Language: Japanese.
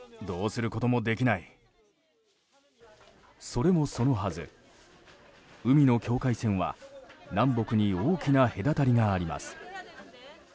それもそのはず、海の境界線は南北に大きな隔たりがあります。